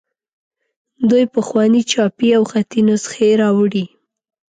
دوی پخوانۍ چاپي او خطي نسخې راوړي.